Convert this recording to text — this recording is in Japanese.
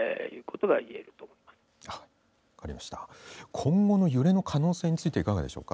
今後の揺れの可能性についていかがでしょうか。